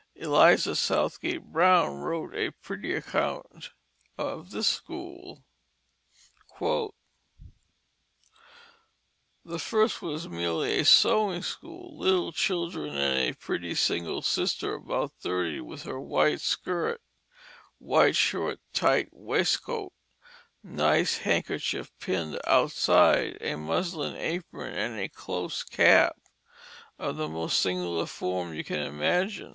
Eliza Southgate Bowne wrote a pretty account of this school: "The first was merely a sewing school, little children and a pretty single sister about 30, with her white skirt, white short tight waistcoat, nice handkerchief pinned outside, a muslin apron and a close cap, of the most singular form you can imagine.